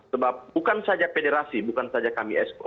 sebab bukan saja federasi bukan saja kami explo